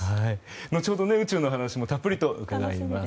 後ほど宇宙の話もたっぷり伺います。